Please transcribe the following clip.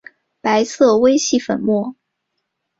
白色微细粉末。